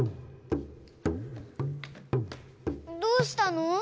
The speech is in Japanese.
どうしたの？